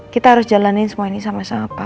kita harus jalanin semua ini sama sama